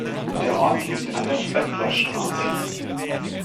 Der Ort liegt an der Zwettler Straße.